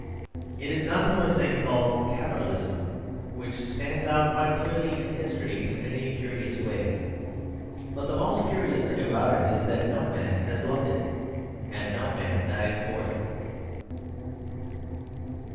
It is done for a thing called Capitalism: which stands out quite clearly in history in many curious ways. But the most curious thing about it is that no man has loved it; and no man died for it.